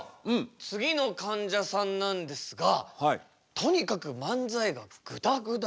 次のかんじゃさんなんですがとにかく漫才がグダグダだそうで。